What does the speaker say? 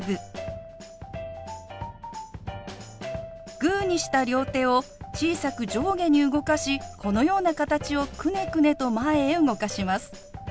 グーにした両手を小さく上下に動かしこのような形をくねくねと前へ動かします。